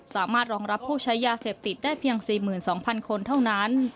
สามารถรองรับผู้ใช้ยาเสพติดได้เพียง๔๒๐๐คนเท่านั้น